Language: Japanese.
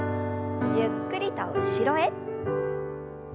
ゆっくりと後ろへ。